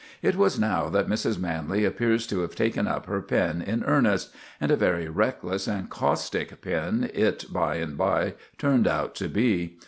It was now that Mrs. Manley appears to have taken up her pen in earnest—and a very reckless and caustic pen it by and by turned out to be.